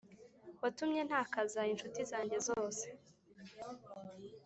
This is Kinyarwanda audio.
watumye ntakaza inshuti zanjye zose.